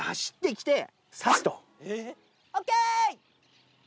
ＯＫ！